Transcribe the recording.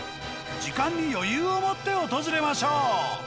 時間に余裕を持って訪れましょう。